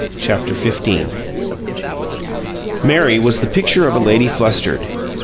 CHAPTER XV Mary was the picture of a lady flustered.